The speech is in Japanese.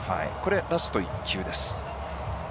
ラスト１球です。